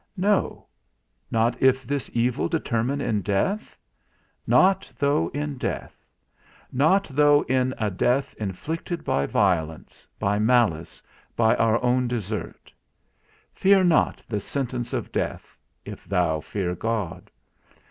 No? not if this evil determine in death? Not though in a death; not though in a death inflicted by violence, by malice, by our own desert; fear not the sentence of death, if thou fear God.